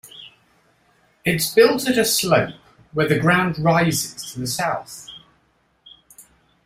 It is built at a slope, where the ground rises to the south.